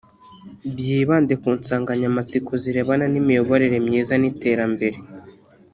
byibande ku nsanganyamatsiko zirebana n’imiyoborere myiza n’iterambere